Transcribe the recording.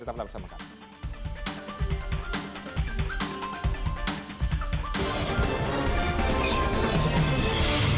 tetap tetap bersama kami